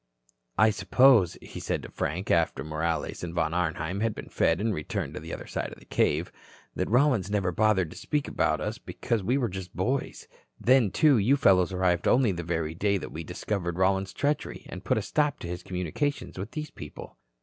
"I suppose," he said to Frank, after Morales and Von Arnheim had been fed and returned to the other side of the cave, "that Rollins never bothered to speak about us because we were just boys. Then, too, you fellows arrived only the very day that we discovered Rollins's treachery and put a stop to his communications with these people."